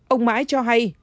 ông mãi cho hay